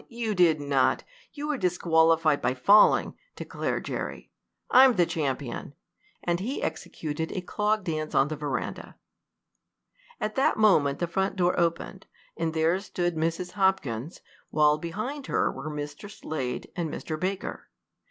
You did not! You were disqualified by falling!" declared Jerry. "I'm the champion!" and he executed a clog dance on the veranda. At that moment the front door opened, and there stood Mrs. Hopkins, while behind her were Mr. Slade and Mr. Baker.